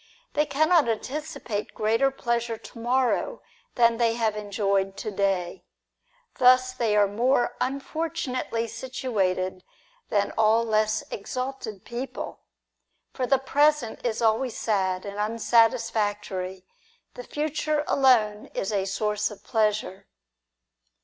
They cannot anticipate greater pleasure to morrow than they have enjoyed to day. PLOTINUS AND PORPHYRIUS. 193 Thus they are more unfortunately situated than all less exalted people. For the present is always sad and unsatisfactory ; the future alone is a source of pleasure.